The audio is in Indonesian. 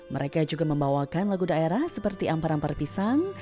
mereka juga membawakan lagu daerah seperti ampar ampar pisang